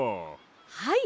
はい！